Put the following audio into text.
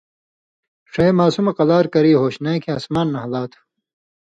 ݜَیں ماسمہ قلار کری ہوش نَیں کھیں اسمان نھالا تھو